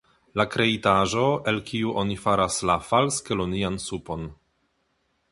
La kreitaĵo, el kiu oni faras la falskelonian supon.